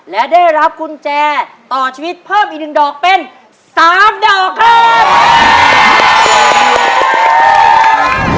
และได้รับกุญแจต่อชีวิตเพิ่มอีก๑ดอกเป็น๓ดอกครับ